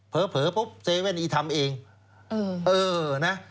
เผอร์เพิ่งเซเว่นทำเองเออนะ